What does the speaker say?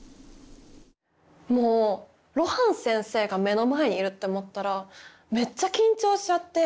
もう露伴先生が目の前にいるって思ったらめっちゃ緊張しちゃって。